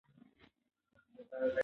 د ټولو لپاره د ښوونې خلوص مهم دی.